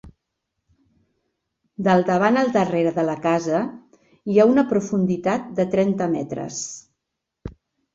Del davant al darrere de la casa hi ha una profunditat de trenta metres.